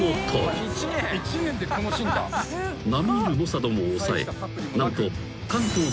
［並み居る猛者どもを抑え何と］